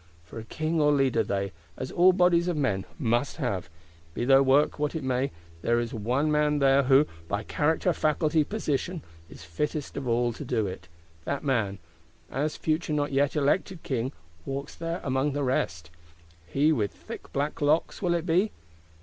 _ For a king or leader they, as all bodies of men, must have: be their work what it may, there is one man there who, by character, faculty, position, is fittest of all to do it; that man, as future not yet elected king, walks there among the rest. He with the thick black locks, will it be?